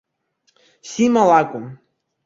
Сима лакәын.